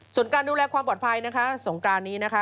ส่วนการดูแลความปลอดภัยนะคะสงกรานนี้นะคะ